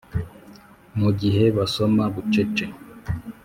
Mu gihe basoma bucece